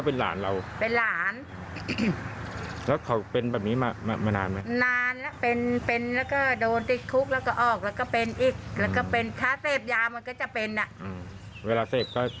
เวลาเศษก็จะมีอากาศ